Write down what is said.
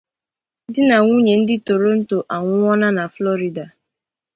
Di na nwunye ndi Toronto anwuona na Florida